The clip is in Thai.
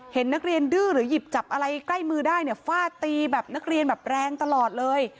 เห็นนักเรียนดื้อหรือหยิบจับอะไรใกล้มือได้เนี่ยฟาดตีแบบนักเรียนแบบแรงตลอดเลย